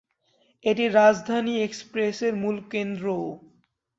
এটি রাজধানী এক্সপ্রেসের মূল কেন্দ্রও।